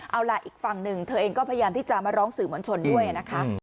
เอาล่ะอีกฝั่งหนึ่งเธอเองก็พยายามที่จะมาร้องสื่อมวลชนด้วยนะคะ